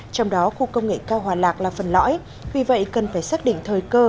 trong đó khu công nghệ cao hòa lạc là phần lõi vì vậy cần phải xác định thời cơ